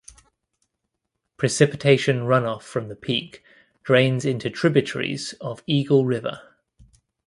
Precipitation runoff from the peak drains into tributaries of Eagle River.